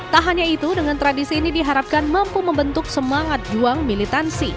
tak hanya itu dengan tradisi ini diharapkan mampu membentuk semangat juang militansi